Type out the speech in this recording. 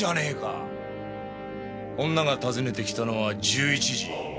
女が訪ねて来たのは１１時。